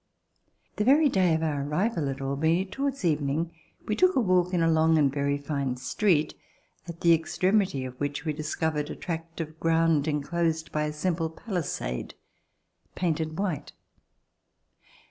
The very day of our arrival at Albany, towards evening, we took a walk in a long and very fine street, at the extremity of which we discovered a tract of ground enclosed by a simple palisade, painted white.